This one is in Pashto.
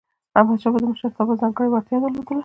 احمدشاه بابا د مشرتابه ځانګړی وړتیا درلودله.